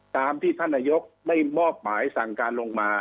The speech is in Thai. ตามที่ท่านนายกได้มอบหมายสั่งการลงมา